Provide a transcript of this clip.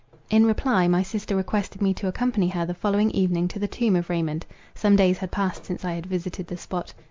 In reply, my sister requested me to accompany her the following evening to the tomb of Raymond. Some days had passed since I had visited the spot.